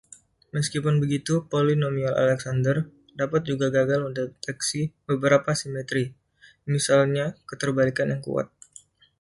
Meskipun begitu, polinomial Alexander dapat juga gagal mendeteksi beberapa simetri, misalnya keterbalikan yang kuat.